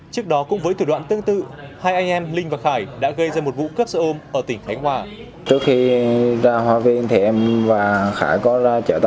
trước đó cũng với thủ đoạn tương tự hai anh em linh và khải đã gây ra một vụ cướp xe ôm ở tỉnh khánh hòa